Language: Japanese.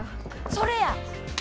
それや！